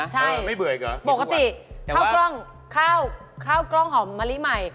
ใช่ปกติข้ากล้องหอมมะลิใหม่